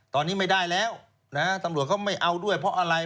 ตอนนี้ไม่ได้แล้วนะฮะตำรวจเขาไม่เอาด้วยเพราะอะไร